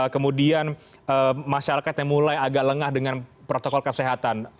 kemudian masyarakatnya mulai agak lengah dengan protokol kesehatan